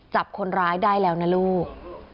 จับคนร้ายได้แล้วนะลูก